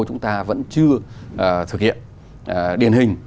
chúng ta vẫn chưa thực hiện điền hình